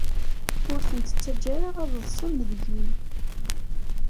Ur ten-ttaǧǧa ara ad ḍsen deg-i.